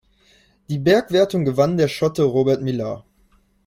Die Bergwertung gewann der Schotte Robert Millar.